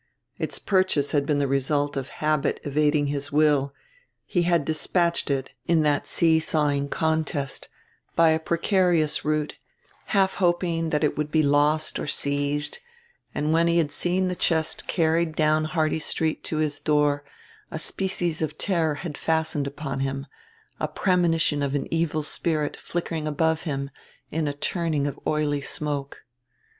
Its purchase had been the result of habit evading his will, he had despatched it in that seesawing contest by a precarious route, half hoping that it would be lost or seized; and, when he had seen the chest carried down Hardy Street to his door, a species of terror had fastened upon him, a premonition of an evil spirit flickering above him in a turning of oily smoke.